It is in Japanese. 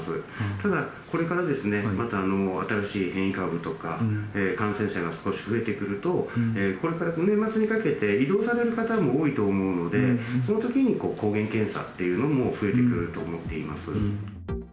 ただ、これからまた新しい変異株とか感染者が少し増えてくると、これから年末にかけて移動される方も多いと思うので、そのときに抗原検査っていうのも増えてくると思っています。